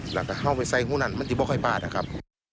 หลังจากเอาไปใส่หู้นั่นมันจะไม่ค่อยปลานะครับ